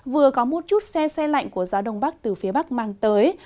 vừa có một chút xe xe lạnh của gió đông bắc từ phía bắc mang tới